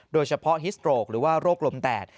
โดยเฉพาะฮิสโตรกหรือว่าโรคลมแตด